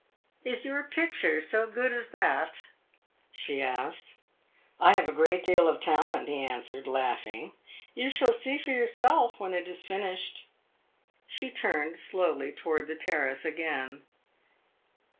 "Is your picture so good as that?" she asked. "I have a great deal of talent," he answered, laughing. "You shall see for yourself, when it is finished." She turned slowly toward the terrace again.